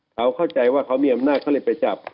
เขาเข้าใจว่าเขามีอำนาจเขาเลยไปจับ